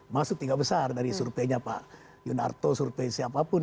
maksudnya tidak besar dari surpenya pak yunarto surpenya siapapun